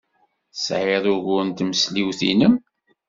Tesɛid ugur d tmesliwt-nnem?